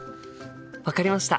分かりました。